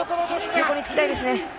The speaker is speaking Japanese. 横につきたいですね。